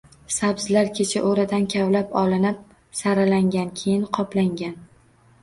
Sabzilar kecha oʻradan kavlab olinib, saralangan, keyin qoplangan.